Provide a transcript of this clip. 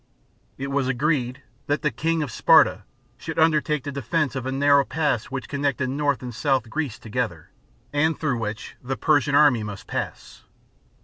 It was agreed that the King of Sparta should undertake the defence of a narrow pass which con nected North and South Greece together, and through which the Persian army must pass.